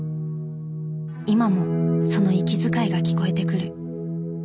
今もその息遣いが聞こえてくる。